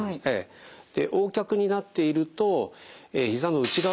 でＯ脚になっているとひざの内側ですね